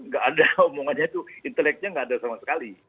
gak ada omongannya itu inteleknya gak ada sama sekali